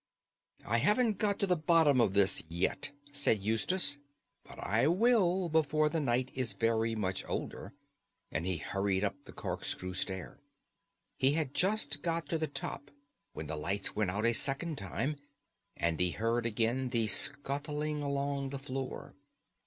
"I haven't got to the bottom of this yet," said Eustace, "but I will do before the night is very much older," and he hurried up the corkscrew stair. He had just got to the top when the lights went out a second time, and he heard again the scuttling along the floor.